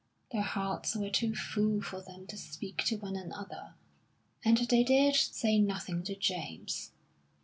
Their hearts were too full for them to speak to one another, and they dared say nothing to James.